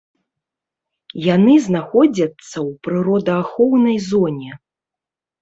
Яны знаходзяцца ў прыродаахоўнай зоне.